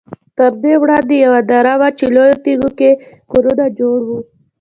تر دې وړاندې یوه دره وه چې لویو تیږو کې کورونه جوړ وو.